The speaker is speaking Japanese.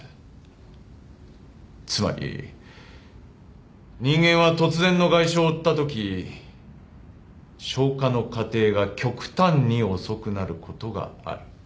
つまり人間は突然の外傷を負ったとき消化の過程が極端に遅くなることがある。